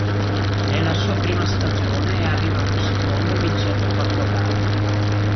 Nella sua prima stagione è arrivato secondo vincendo quattro gare.